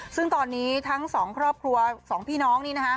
ซึ่งตอนนี้ทั้งสองครอบครัวสองพี่น้องนี่นะคะ